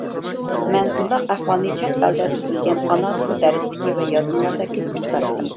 مەن بۇنداق ئەھۋالنى چەت ئەلدە تۈزۈلگەن ئانا تىل دەرسلىكى ۋە يازمىلاردا كۆپ ئۇچراتتىم.